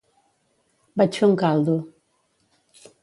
Vaig fer un caldo.